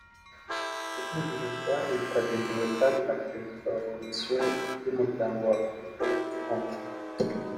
Iri huriro ryanitabiriwe kandi na Perezida wa Komisiyo y’Umuryango wa Afurika Yunze Ubumwe